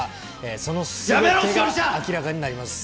そのすべてが明らかになります。